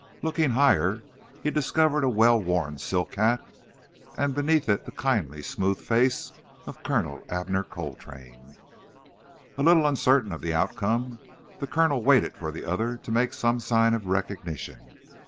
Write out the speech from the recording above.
Looking higher, he discovered a well worn silk hat, and beneath it the kindly, smooth face of Colonel Abner Coltrane. A little uncertain of the outcome, the colonel waited for the other to make some sign of recognition.